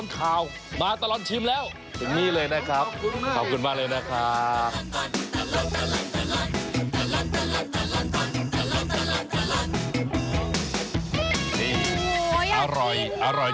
เอาอย่างนี้ดีกว่าเดี๋ยวสันทาไปกินอีก๑อย่าง